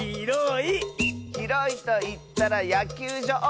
「ひろいといったらやきゅうじょう！」